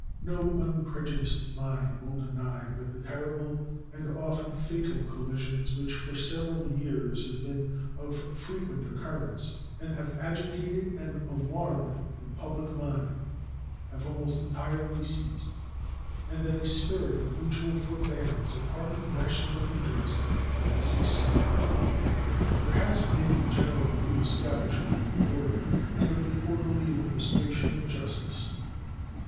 No unprejudiced mind will deny that the terrible and often fatal collisions which for several years have been of frequent occurrence and have agitated and alarmed the public mind have almost entirely ceased, and that a spirit of mutual forbearance and hearty national interest has succeeded. There has been a general reestablishment of order and of the orderly administration of justice.